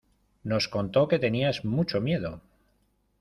Nos contó que tenías mucho miedo.